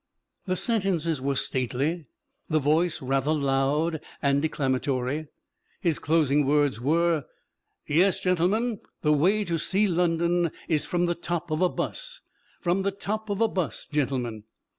The sentences were stately, the voice rather loud and declamatory. His closing words were: "Yes, gentlemen, the way to see London is from the top of a 'bus from the top of a 'bus, gentlemen."